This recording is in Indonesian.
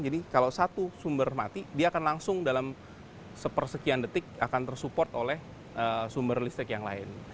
jadi kalau satu sumber mati dia akan langsung dalam sepersekian detik akan tersupport oleh sumber listrik yang lain